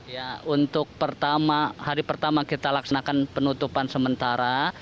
ya untuk pertama hari pertama kita laksanakan penutupan sementara